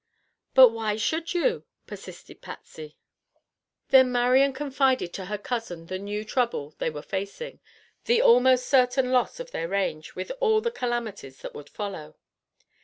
"But why should you?" persisted Patsy. Then Marian confided to her cousin the new trouble they were facing, the almost certain loss of their range, with all the calamities that would follow.